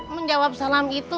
menjawab salam itu